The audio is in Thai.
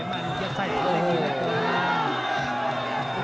มันยัดไส้ทั้งละที